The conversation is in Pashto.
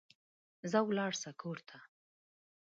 ځه ولاړ سه کور ته